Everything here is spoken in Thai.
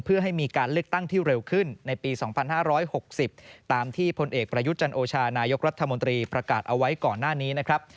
เพื่อให้มีการเลือกตั้งที่เร็วขึ้นในปี๒๕๖๐ตามที่พลเอกประยุทธ์จันโอชานายกรัฐมนตรีประกาศเอาไว้ก่อนหน้านี้นะครับ